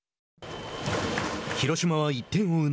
広島は、１点を追う